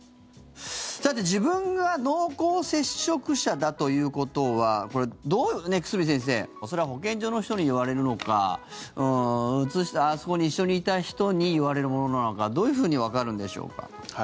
さて自分が濃厚接触者だということは久住先生それは保健所の人に言われるのかうつした、そこに一緒にいた人に言われるものなのかどういうふうにわかるんでしょうか？